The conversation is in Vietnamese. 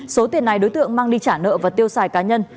số tiền này đối tượng mang đi trả nợ và tiêu xài cá nhân